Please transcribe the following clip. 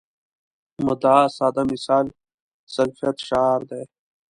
مدعا ساده مثال سلفیت شعار دی.